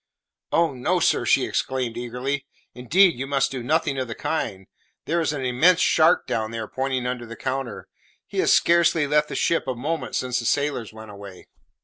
"Oh no, sir!" she exclaimed eagerly; "indeed you must do nothing of the kind. There is an immense shark down there," pointing under the counter; "he has scarcely left the ship a moment since the sailors went away."